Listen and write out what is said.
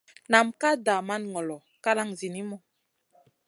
Nam ka daman ŋolo kalang zinimu.